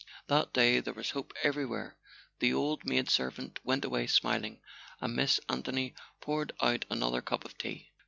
That day there was hope everywhere: the old maid servant went away smiling, and Miss Anthony poured out another cup of tea.